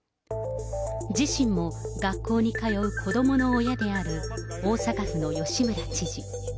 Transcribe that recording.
自身も学校に通う子どもの親である、大阪府の吉村知事。